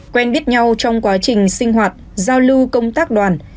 quen biết nhau trong quá trình sinh hoạt giao lưu công tác đoàn